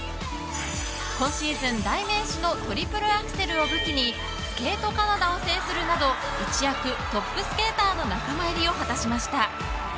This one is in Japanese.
今シーズン、代名詞のトリプルアクセルを武器にスケートカナダを制するなど一躍、トップスケーターの仲間入りを果たしました。